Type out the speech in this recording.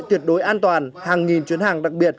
tuyệt đối an toàn hàng nghìn chuyến hàng đặc biệt